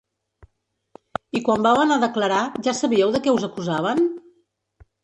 I quan vau anar a declarar, ja sabíeu de què us acusaven?